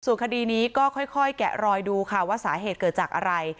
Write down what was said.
ส่วนคดีนี้ก็ค่อยแกะรอยดูค่ะว่าสาเหตุเกิดจากอะไร